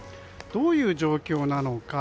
どういう状況なのか。